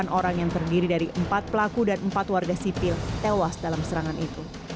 delapan orang yang terdiri dari empat pelaku dan empat warga sipil tewas dalam serangan itu